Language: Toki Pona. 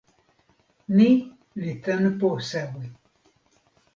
ni li tenpo sewi.